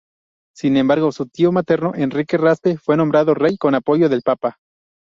Sin embargo, su tío materno Enrique Raspe fue nombrado rey con apoyo del Papa.